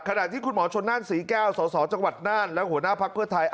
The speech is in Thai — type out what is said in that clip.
ขณะที่คุณหมอชนนั่นศรีแก้วสสจังหวัดน่านและหัวหน้าภักดิ์เพื่อไทย